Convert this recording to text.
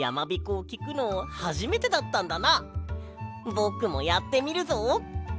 ぼくもやってみるぞ！